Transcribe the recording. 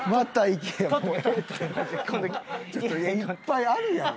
いっぱいあるやろ。